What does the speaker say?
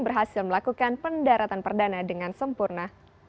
berhasil melakukan pendaratan perdana dengan sempurna